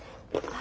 あ。